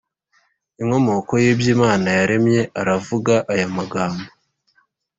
inkomoko y’ibyo Imana yaremye aravuga aya magambo